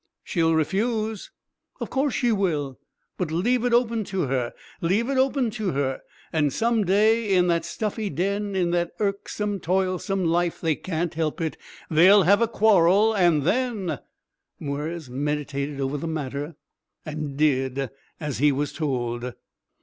"She'll refuse." "Of course she will. But leave it open to her. Leave it open to her. And some day in that stuffy den, in that irksome, toilsome life they can't help it they'll have a quarrel. And then " Mwres meditated over the matter, and did as he was told.